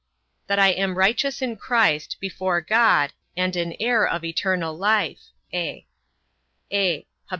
That I am righteous in Christ, before God, and an heir of eternal life. (a) (a) Hab.